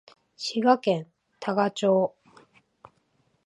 滋賀県多賀町